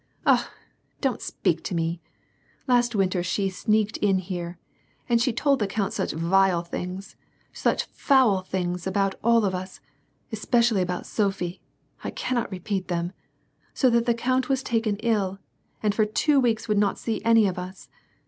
"Ah ! don't speak to me. Last winter she sneaked in here, and she told the count such vile things, such foul things about all of us, especially about Sophie, — I cannot repeat them, — so that the count was taken ill, and for two weeks would not see any of us.